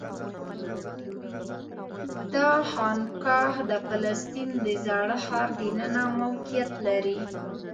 دا خانقاه د فلسطین د زاړه ښار دننه موقعیت لري.